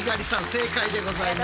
正解でございます。